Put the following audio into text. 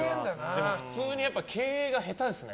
でも普通に経営が下手ですね。